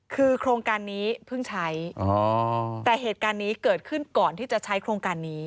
คือโครงการนี้เพิ่งใช้แต่เหตุการณ์นี้เกิดขึ้นก่อนที่จะใช้โครงการนี้